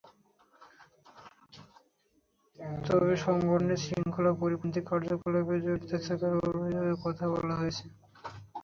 তবে সংগঠনের শৃঙ্খলা পরিপন্থী কার্যকলাপে জড়িত থাকার অভিযোগের কথা বলা হয়েছে।